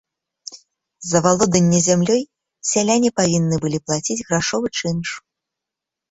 За валоданне зямлёй сяляне павінны былі плаціць грашовы чынш.